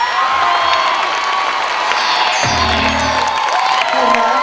บีชาโรงใด